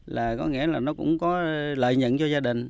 là có nghĩa là nó cũng có lợi nhận cho gia đình